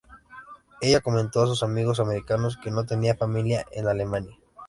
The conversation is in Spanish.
Ella comentó a sus amigos americanos que no tenía familia en Alemania.